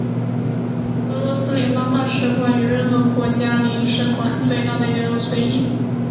俄罗斯联邦大使馆与任何国家的领事馆的最大的联络之一。